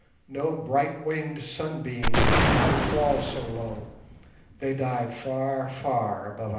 No bright winged sunbeam could fall so low: they died far, far above our heads.